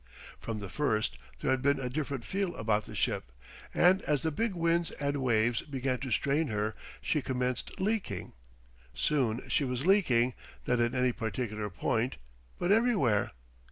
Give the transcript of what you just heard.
From the first there had been a different feel about the ship, and as the big winds and waves began to strain her she commenced leaking. Soon she was leaking—not at any particular point, but everywhere.